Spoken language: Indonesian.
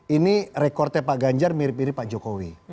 ini rekodnya pak ganjar mirip mirip pak jokowi